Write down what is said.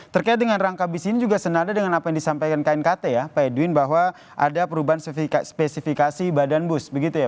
terkait dengan rangka bis ini juga senada dengan apa yang disampaikan knkt ya pak edwin bahwa ada perubahan spesifikasi badan bus begitu ya